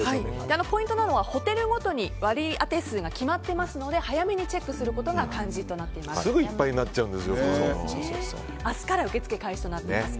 ポイントなのはホテルごとに割り当て数が決まっていますので早めにチェックすることがすぐいっぱいに明日から受け付け開始となっています。